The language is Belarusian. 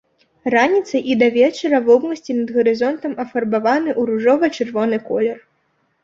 Раніцай і да вечара вобласці над гарызонтам афарбаваны ў ружова-чырвоны колер.